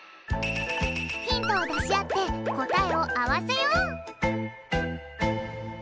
ヒントをだしあってこたえをあわせよう！